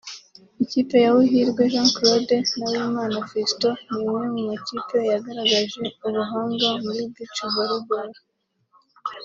Ikipe ya Uwihirwe Jean Claude na Uwimana Fiston ni imwe mu makipe yagaragaje ubuhanga muri Beach-Volleyball